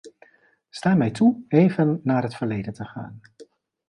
Sta mij toe even naar het verleden te gaan.